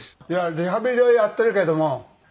いやリハビリはやってるけども。